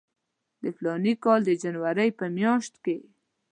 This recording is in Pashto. د فلاني کال د جنوري په میاشت کې.